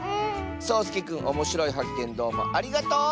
そうすけくんおもしろいはっけんどうもありがとう！